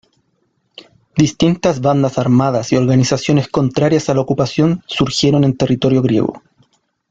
Distintas bandas armadas y organizaciones contrarias a la ocupación surgieron en territorio griego.